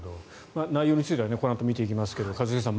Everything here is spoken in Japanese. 内容についてはこのあと見ていきますが一茂さん